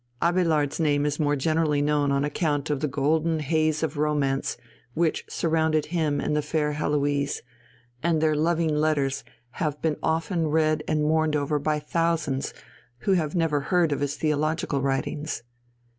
Abélard's name is more generally known on account of the golden haze of romance which surrounded him and the fair Heloise; and their loving letters have been often read and mourned over by thousands who have never heard of his theological writings.